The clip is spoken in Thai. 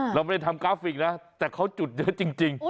เราไม่ได้ทำกราฟิกนะแต่เขาจุดเยอะจริง